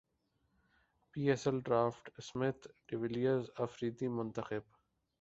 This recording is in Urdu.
پی S L draft Smith de Villiers Afridi منتخب